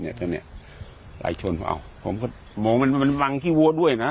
เนี้ยเนี้ยไล่ชนผมเอาผมก็มองมันมันวังที่วัวด้วยนะ